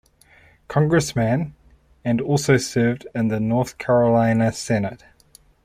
Congressman and also served in the North Carolina Senate.